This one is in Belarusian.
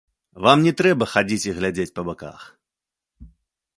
Вам не трэба хадзіць і глядзець па баках.